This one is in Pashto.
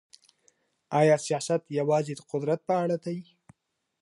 آیا سیاست یوازې د قدرت په اړه دی؟